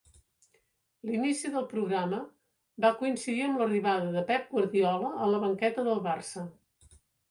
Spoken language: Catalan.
L'inici del programa va coincidir amb l'arribada de Pep Guardiola a la banqueta del Barça.